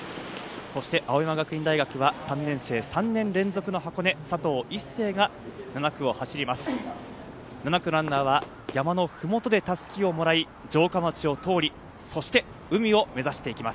そして青山学院大学は３年生、３年連続の箱根、佐藤一世が７区を走ります。